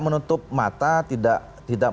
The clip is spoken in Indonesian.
menutup mata tidak